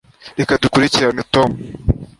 Reka dukurikirane Tom